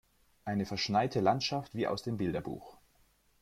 Eine verschneite Landschaft wie aus dem Bilderbuch.